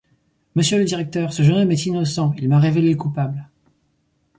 Monsieur le directeur, ce jeune homme est innocent, il m’a révélé le coupable!...